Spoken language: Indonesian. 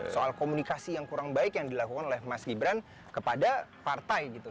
soal komunikasi yang kurang baik yang dilakukan oleh mas gibran kepada partai gitu